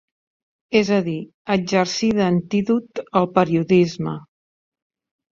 És a dir, exercir d'antídot al periodisme.